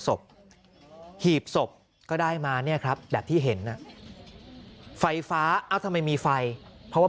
ศพหีบศพก็ได้มาเนี่ยครับแบบที่เห็นน่ะไฟฟ้าเอ้าทำไมมีไฟเพราะว่า